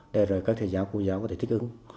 để rồi các thầy giáo cô giáo có thể thích ứng